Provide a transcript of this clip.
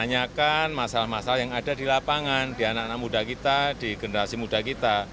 menanyakan masalah masalah yang ada di lapangan di anak anak muda kita di generasi muda kita